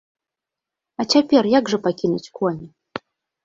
А цяпер як жа пакінуць коні?